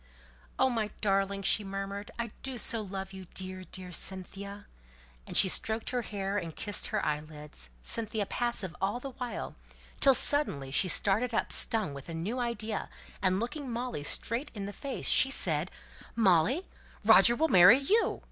"Oh, my darling!" she murmured. "I do so love you, dear, dear Cynthia!" and she stroked her hair, and kissed her eyelids; Cynthia passive all the while, till suddenly she started up stung with a new idea, and looking Molly straight in the face, she said, "Molly, Roger will marry you!